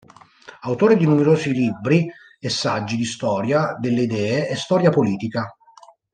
Autore di numerosi libri e saggi di storia delle idee e storia politica.